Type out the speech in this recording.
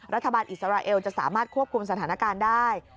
รัฐบาลอิสราเอลจะสามารถควบคุมสถานการณ์ได้